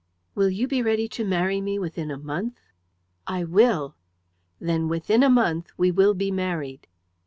"Will you be ready to marry me within a month?" "I will." "Then within a month we will be married."